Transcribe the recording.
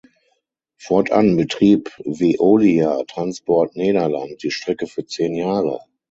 Fortan betrieb Veolia Transport Nederland die Strecke für zehn Jahre.